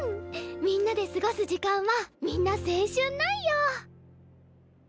みんなで過ごす時間はみんな青春なんよ。